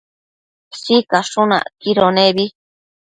Sicashun acquido nebi